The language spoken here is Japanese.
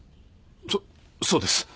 そっそうです。